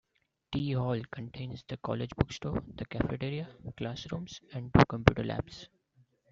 Tyee Hall contains the college bookstore, the cafeteria, classrooms and two computer labs.